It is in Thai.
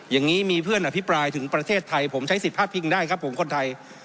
อย่างนี้มีเพื่อนอภิปรายถึงประเทศไทยผมใช้สิทธิพลาดพิงได้ครับผมคนไทย